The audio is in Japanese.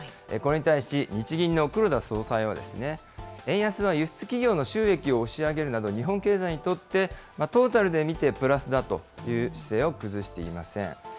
これに対し、日銀の黒田総裁はですね、円安は輸出企業の収益を押し上げるなど、日本経済にとって、トータルで見てプラスだという姿勢を崩していません。